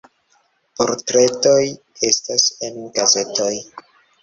Portretoj estos en gazetoj.